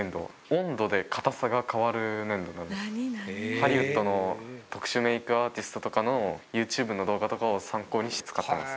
ハリウッドの特殊メークアーティストとかのユーチューブの動画とかを参考にして使ってます。